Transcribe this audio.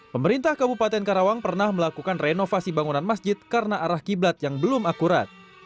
pemerintah kabupaten karawang pernah melakukan renovasi bangunan masjid karena arah qiblat yang belum akurat